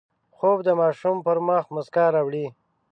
خوب د ماشوم پر مخ مسکا راوړي